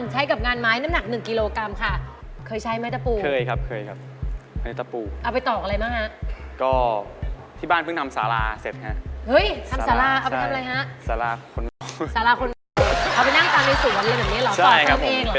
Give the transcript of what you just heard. ใช่ครับผมเป็นสวนดอกไม้ของแม่ครับ